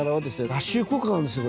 脱臭効果があるんですよ